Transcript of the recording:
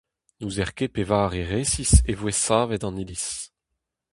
N'ouzer ket pevare resis e voe savet an iliz.